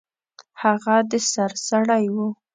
هغه د سر سړی و.